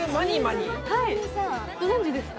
ご存じですか？